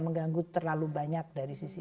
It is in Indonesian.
mengganggu terlalu banyak dari sisi